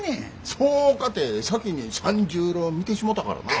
そうかて先に「三十郎」見てしもたからなあ。